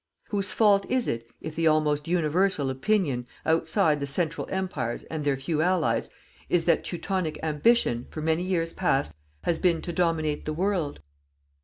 Whose fault is it if the almost universal opinion, outside the Central Empires and their few allies, is that Teutonic ambition, for many years past, has been to dominate the world?